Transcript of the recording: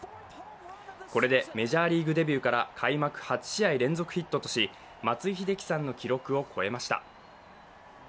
これでメジャーリーグデビューから開幕８試合連続ヒットとし、松井秀喜さんの記録を超えました。